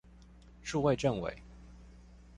數位政委